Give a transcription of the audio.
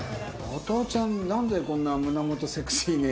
後藤ちゃんなんでこんな胸元セクシーに。